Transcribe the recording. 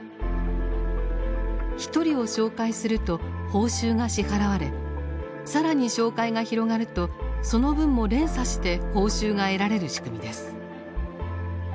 １人を紹介すると報酬が支払われ更に紹介が広がるとその分も連鎖して報酬が得られる仕組みです。